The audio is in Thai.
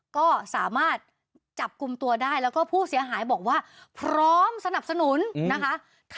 ก็สามารถจับกลุ่มตัวได้แล้วก็ผู้เสียหายบอกว่าพร้อมสนับสนุนนะคะ